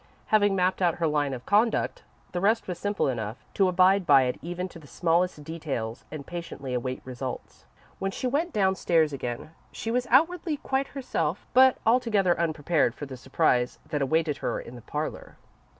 Having mapped out her line of conduct, the rest was simple enough to abide by it even to the smallest details, and patiently await results. When she went downstairs again she was outwardly quite herself, but altogether unprepared for the surprise that awaited her in the parlour.